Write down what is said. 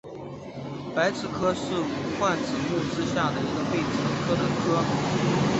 白刺科是无患子目之下一个被子植物的科。